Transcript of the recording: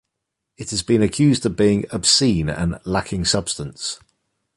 It has been accused of being "obscene" and "lacking substance".